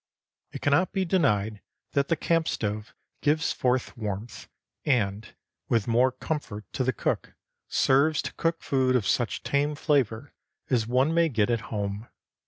It cannot be denied that the camp stove gives forth warmth and, with more comfort to the cook, serves to cook food of such tame flavor as one may get at home.